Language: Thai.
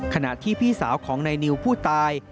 ขณะที่พี่สาวของนายนิวผู้ตาย